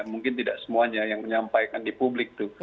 mungkin tidak semuanya yang menyampaikan di publik tuh